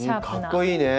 かっこいいね。